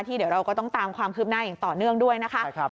เดี๋ยวเราก็ต้องตามความคืบหน้าอย่างต่อเนื่องด้วยนะคะ